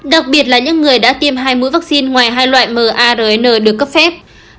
đặc biệt là những người đã tiêm hai mũi vaccine ngoài hai loại marn được cấp phép